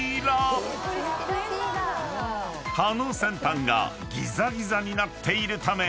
［刃の先端がギザギザになっているため］